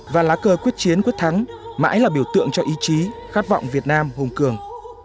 và lá cờ quyết chiến quyết thắng mãi là biểu tượng cho ý chí khát vọng việt nam hùng cường